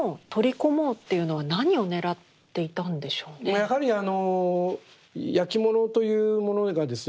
やはりあのやきものというものがですね